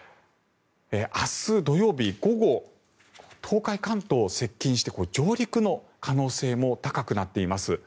明日土曜日午後東海、関東に接近して上陸の可能性も高くなっています。